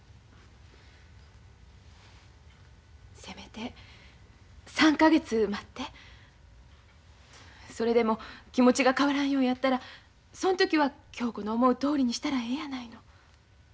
せめて３か月待ってそれでも気持ちが変わらんようやったらその時は恭子の思うとおりにしたらえやないの。